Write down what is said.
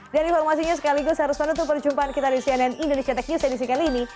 informasinya sekaligus harus menutup perjumpaan kita di cnn indonesia tech news edisi kali ini